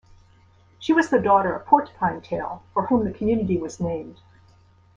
She was the daughter of Porcupine Tail, for whom the community was named.